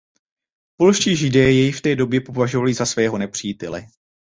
Polští Židé jej v té době považovali za svého nepřítele.